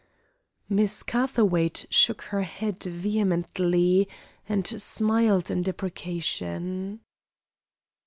Miss Catherwaight shook her head vehemently and smiled in deprecation.